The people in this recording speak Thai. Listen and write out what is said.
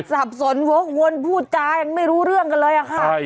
สับสนวกวนพูดจายังไม่รู้เรื่องกันเลยอะค่ะ